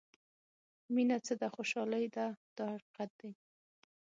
مینه څه ده خوشالۍ ده دا حقیقت دی.